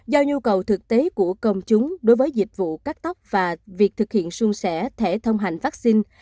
do nhu cầu thực tế của công chúng đối với dịch vụ cắt tóc và việc thực hiện xuân sẻ thẻ thông hành vaccine